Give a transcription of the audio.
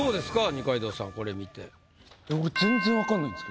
二階堂さんこれ見て。